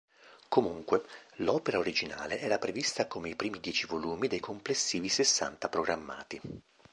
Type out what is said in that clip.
Comunque, l'opera originale era prevista come i primi dieci volumi dei complessivi sessanta programmati.